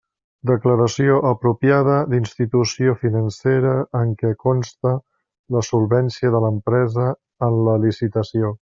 Declaració apropiada d'institució financera en què conste la solvència de l'empresa en la licitació.